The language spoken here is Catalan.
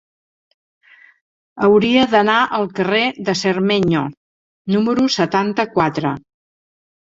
Hauria d'anar al carrer de Cermeño número setanta-quatre.